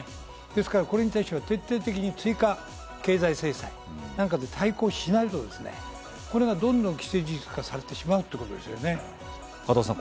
ですから、これに対しては徹底的に追加経済制裁、対抗しないと、どんどん既成事実化されてしまうということですね。